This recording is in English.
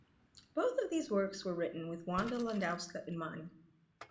Both of these works were written with Wanda Landowska in mind.